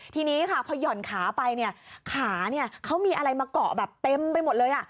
ทีนี้ค่ะพอหย่อนขาไปเนี่ยขาเขามีอะไรมาเกาะแบบเต็มไปหมดเลย